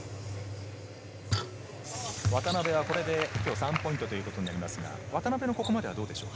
渡邊はこれで今日３ポイントということになりますが、渡邊のここまでは、どうでしょうか？